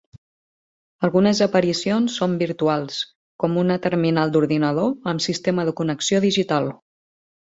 Algunes aparicions són virtuals, com una terminal d'ordinador amb sistema de connexió digital.